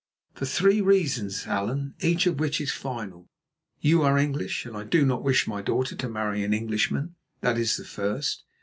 "For three reasons, Allan, each of which is final. You are English, and I do not wish my daughter to marry an Englishman; that is the first.